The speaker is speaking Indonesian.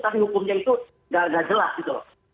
tapi hukumnya itu nggak jelas gitu loh